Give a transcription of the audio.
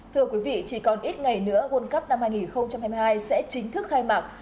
thưa quý vị chỉ còn ít ngày nữa world cup năm hai nghìn hai mươi hai sẽ chính thức khai mạc